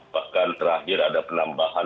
bahkan terakhir ada penambahan